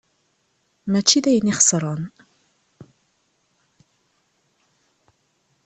Mačči d ayen ixesren.